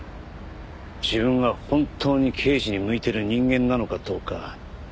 自分が本当に刑事に向いてる人間なのかどうか。